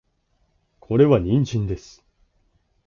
これは人参です